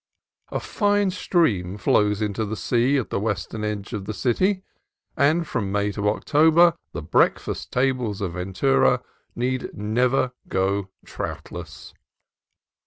A fine stream flows into the sea at the western edge of the city, and from May to October the breakfast tables of Ventura need never go troutless.